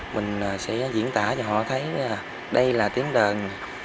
mình sẽ diễn tả cho họ thấy đây là tiếng đần